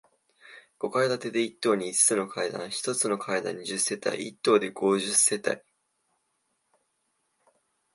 五階建てで、一棟に五つの階段、一つの階段に十世帯、一棟で五十世帯。